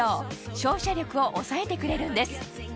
照射力を抑えてくれるんです